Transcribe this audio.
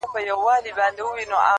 غوایي بار ته سي او خره وکړي ښکرونه -